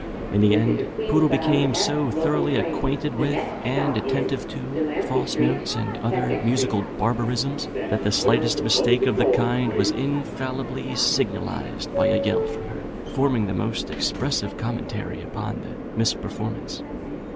In the end, Poodle became so thoroughly acquainted with, and attentive to, false notes and other musical barbarisms, that the slightest mistake of the kind was infallibly signalised by a yell from her, forming the most expressive commentary upon the misperformance.